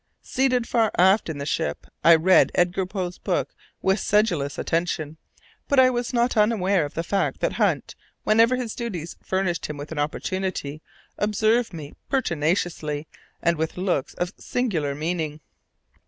Seated far aft in the ship, I read Edgar Poe's book with sedulous attention, but I was not unaware of the fact that Hunt, whenever his duties furnished him with an opportunity, observed me pertinaciously, and with looks of singular meaning.